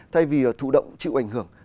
thay vì thủ động chịu ảnh hưởng